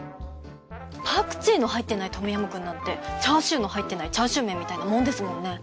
パクチーの入ってないトムヤムクンなんてチャーシューの入ってないチャーシュー麺みたいなもんですもんね。